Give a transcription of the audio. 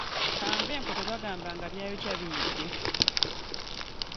Ka nve enkoto bagamba nga by'ayokya biyidde.